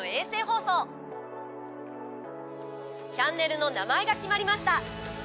チャンネルの名前が決まりました。